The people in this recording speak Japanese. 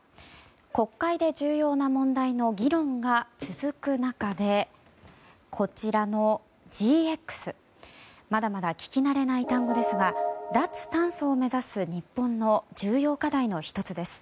国会で重要な問題の議論が続く中でこちらのＧＸまだまだ聞き慣れない単語ですが脱炭素を目指す日本の重要課題の１つです。